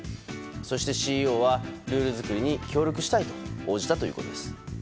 そして、ＣＥＯはルール作りに協力したいと応じたということです。